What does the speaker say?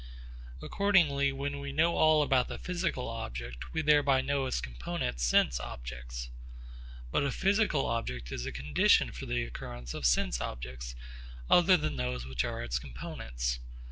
Accordingly when we know all about the physical object, we thereby know its component sense objects. But a physical object is a condition for the occurrence of sense objects other than those which are its components.